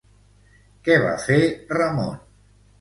Què va fer Ramon?